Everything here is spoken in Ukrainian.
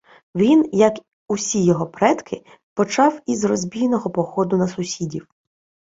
Він, як усі його предки, почав із розбійного походу на сусідів